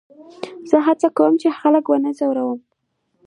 زه هڅه کوم، چي خلک و نه ځوروم.